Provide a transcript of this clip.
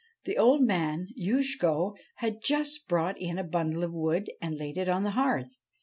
The old man Youshko had just brought in a bundle of wood and laid it on the hearth.